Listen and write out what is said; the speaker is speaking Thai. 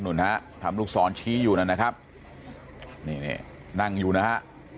ฮะทำลูกศรชี้อยู่นั่นนะครับนี่นี่นั่งอยู่นะฮะ